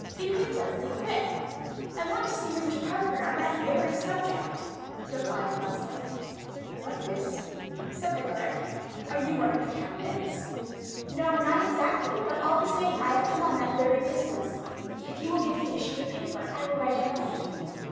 "Be quick, Leslie, quick." "I want to see Mr. Parker on that very subject," replied Leslie. "What, miss," said the clerk, "are you one of the candidates?" "No, not exactly; but, all the same, I have come on that very business. If you will give me a sheet of paper I will write a note."